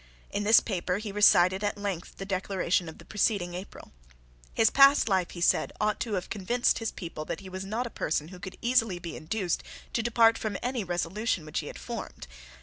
In this paper he recited at length the Declaration of the preceding April. His past life, he said, ought to have convinced his people that he was not a person who could easily be induced to depart from any resolution which he had formed.